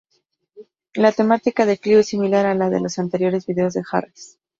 La temática del clip es similar a la de los anteriores videos de Harris.